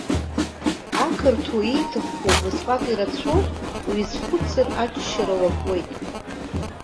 Ақырҭуа ииҭахқәоу убасҟак ирацәоуп, уизхәыцыр, аччара уакуеит.